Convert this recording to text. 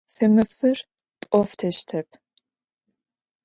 Фэмыфыр пӏофтэщтэп.